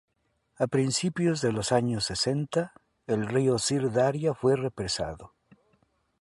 A principios de los años sesenta el río Sir Daria fue represado.